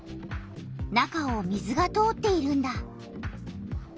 中を水が通っているんだ。